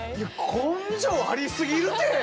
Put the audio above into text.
根性ありすぎるて。